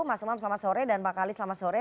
mas umam selamat sore dan pak kali selamat sore